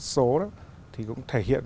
số thì cũng thể hiện